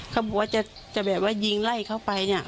เขาบอกว่าจะแบบว่ายิงไล่เขาไปเนี่ย